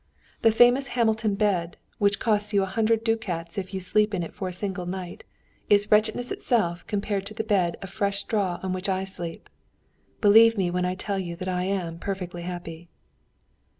The famous Hamilton bed, which costs you a hundred ducats if you sleep in it for a single night, is wretchedness itself compared to the bed of fresh straw on which I sleep. Believe me when I tell you that I am perfectly happy."